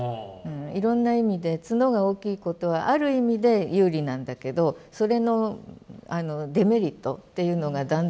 いろんな意味で角が大きいことはある意味で有利なんだけどそれのデメリットっていうのがだんだん大きくなってくる。